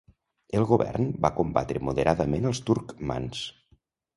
El govern va combatre moderadament als turcmans.